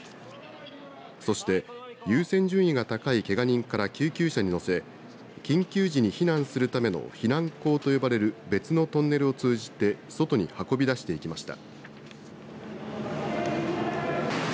そして優先順位が高いけが人から救急車に乗せ緊急時に避難するための避難坑と呼ばれる別のトンネルを通じて外に運び出していきました。